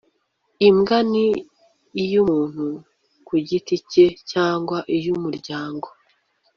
Imbwa ni iy’umuntu ku giti cye cyangwa iy’umuryango